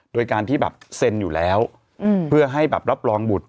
โดยการที่แบบเซ็นอยู่แล้วเพื่อให้แบบรับรองบุตร